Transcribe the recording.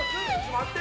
待って？